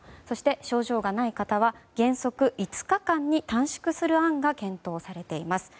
症状がない方は原則５日間に短縮する案が検討されています。